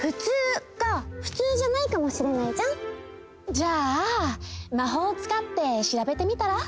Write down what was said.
じゃあ魔法をつかってしらべてみたら？